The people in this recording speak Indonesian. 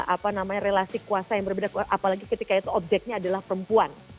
apa namanya relasi kuasa yang berbeda apalagi ketika itu objeknya adalah perempuan